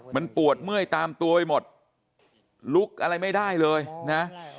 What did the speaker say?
มันปวดเมื่อยตามตัวไปหมดลุกอะไรไม่ได้เลยนะ